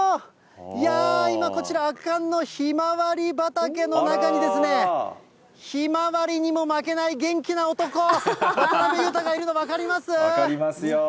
いやー、今、こちら、圧巻のひまわり畑の中にですね、ひまわりにも負けない元気な男、分かりますよ。